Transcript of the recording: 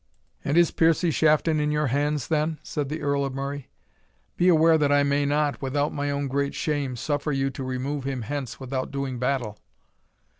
"And is Piercie Shafton in your hands, then?" said the Earl of Murray. "Be aware that I may not, without my own great shame, suffer you to remove him hence without doing battle."